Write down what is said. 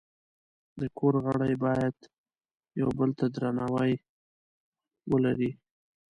د کور غړي باید یو بل ته درناوی ولري.